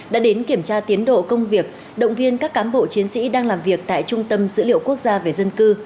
đã đến kiểm tra tiến độ công việc động viên các cán bộ chiến sĩ đang làm việc tại trung tâm dữ liệu quốc gia về dân cư